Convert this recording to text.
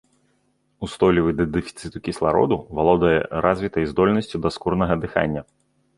Устойлівы да дэфіцыту кіслароду, валодае развітай здольнасцю да скурнага дыхання.